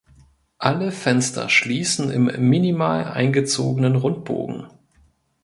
Alle Fenster schließen im minimal eingezogenen Rundbogen.